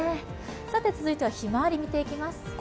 続いては、ひまわり見ていきます。